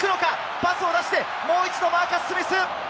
パスを出して、もう一度マーカス・スミス。